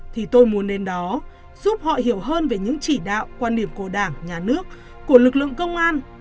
thì tôi muốn đến đó giúp họ hiểu hơn về những chỉ đạo quan điểm của đảng nhà nước của lực lượng công an